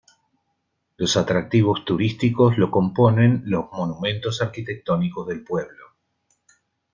Los atractivos turísticos lo componen, los monumentos arquitectónicos del pueblo.